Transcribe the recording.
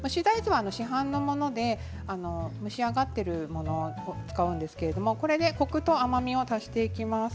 市販のもので蒸し上がっているものを使うんですけれどコクと甘みを足していきます。